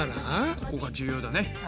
ここが重要だね。